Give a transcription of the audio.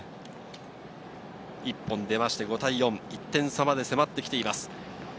１本出て５対４、１点差まで迫ってきています。